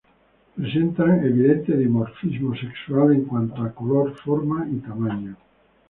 Presentan evidente dimorfismo sexual en cuanto a color, forma y tamaño.